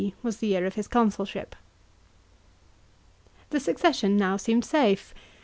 was the year of his consulship. The succession now seemed safe.